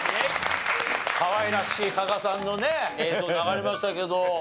かわいらしい加賀さんのね映像流れましたけど。